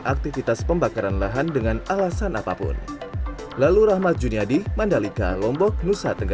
melakukan aktivitas pembakaran lahan dengan alasan apapun